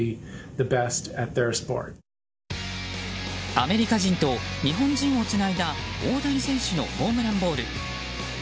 アメリカ人と日本人をつないだ大谷選手のホームランボール。